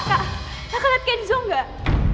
kakak lihat kenzo nggak